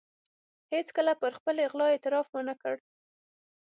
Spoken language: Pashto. هېڅکله پر خپلې غلا اعتراف و نه کړ.